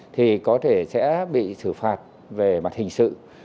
thì có thể sẽ bị xử phạt về mặt hình sự